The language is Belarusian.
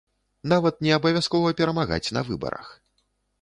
Нават не абавязкова перамагаць на выбарах.